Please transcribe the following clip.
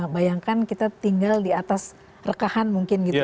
bayangkan kita tinggal di atas rekahan mungkin gitu